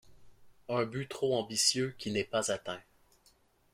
Un but trop ambitieux qui n'est pas atteint.